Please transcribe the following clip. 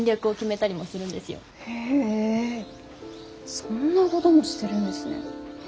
へえそんなごどもしてるんですね。